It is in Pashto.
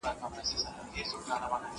آیا ولایتي د پوهنې ریاستونه پوره صلاحیت لري؟